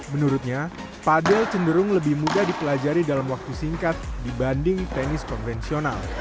menurutnya pade cenderung lebih mudah dipelajari dalam waktu singkat dibanding tenis konvensional